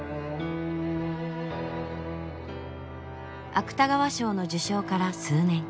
芥川賞の受賞から数年。